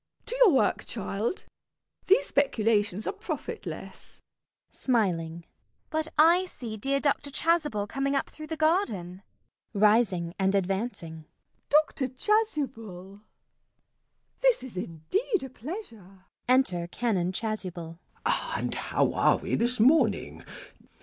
To your work, child, these speculations are profitless. CECILY. [Smiling.] But I see dear Dr. Chasuble coming up through the garden. MISS PRISM. [Rising and advancing.] Dr. Chasuble! This is indeed a pleasure. [Enter Canon Chasuble.] CHASUBLE. And how are we this morning?